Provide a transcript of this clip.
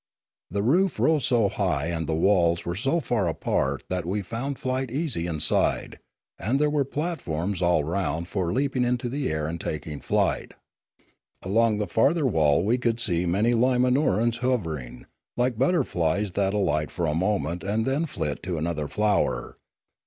The roof rose so high and the walls were so far apart that we found flight easy inside; and there were platforms all round for leaping into the air and takiug flight. Along the farther wall we could see many Li ma nor a us hover ing, like butterflies that alight for a moment and then flit to another flower.